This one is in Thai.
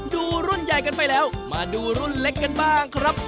ดูรุ่นใหญ่กันไปแล้วมาดูรุ่นเล็กกันบ้างครับ